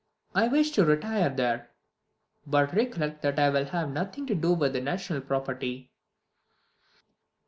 I wish to retire there; but recollect that I will have nothing to do with national property."